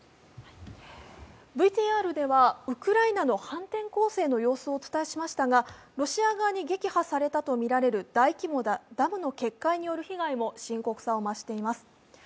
ＶＴＲではウクライナの反転攻勢の様子をお伝えしましたが、ロシア側に撃破されたとみられる大規模なダムの決壊の被害も深刻さを増しています。